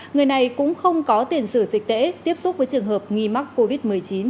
người này cũng không có tiền sử dịch tễ tiếp xúc với trường hợp nghi mắc covid một mươi chín